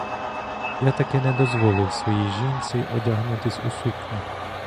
Я таки не дозволив своїй жінці одягатись у сукню.